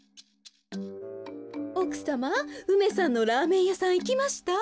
おくさま梅さんのラーメンやさんいきました？